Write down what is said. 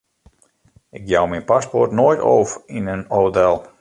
Ik jou myn paspoart noait ôf yn in hotel.